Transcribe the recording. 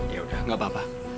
yaudah nggak apa apa